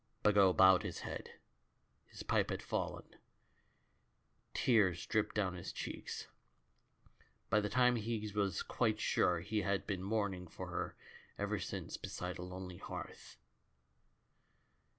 Bagot bowed his head; his pipe had fallen, tears dripped down his cheeks. By this time he was quite sure he had been mourning for her ever since beside a lonely hearth.